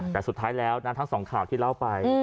แต่สุดท้ายแล้วนะทั้งสองข่าวที่เล่าไป